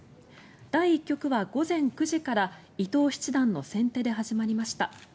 第１局は午前９時から伊藤七段の先手で始まりました。